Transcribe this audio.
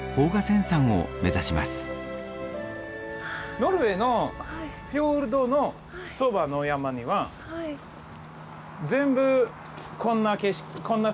ノルウェーのフィヨルドのそばの山には全部こんなふうな景色ですよ。